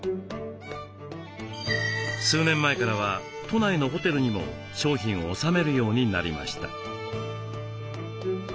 数年前からは都内のホテルにも商品を納めるようになりました。